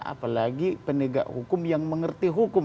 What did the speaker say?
apalagi penegak hukum yang mengerti hukum